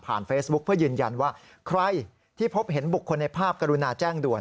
เฟซบุ๊คเพื่อยืนยันว่าใครที่พบเห็นบุคคลในภาพกรุณาแจ้งด่วน